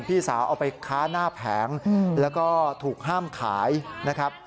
พี่สาวเอาไปค้าหน้าแผงแล้วก็ถูกห้ามขายนะครับ